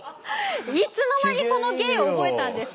いつの間にその芸覚えたんですか。